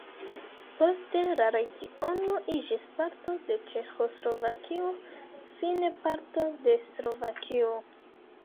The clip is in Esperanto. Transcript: Poste la regiono iĝis parto de Ĉeĥoslovakio, fine parto de Slovakio.